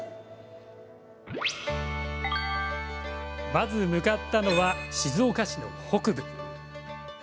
まず向かったのは静岡市の北部。